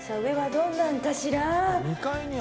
どんなのかしら。